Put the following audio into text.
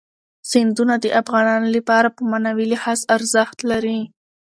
سیندونه د افغانانو لپاره په معنوي لحاظ ارزښت لري.